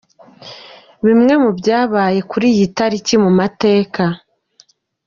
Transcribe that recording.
Bimwe mu byabaye kuri iyi tariki mu mateka.